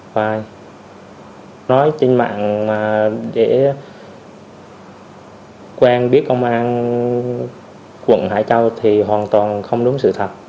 và nói trên mạng để quen biết công an quận hải châu thì hoàn toàn không đúng sự thật